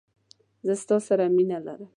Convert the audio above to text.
زه ستا سره مینه لرم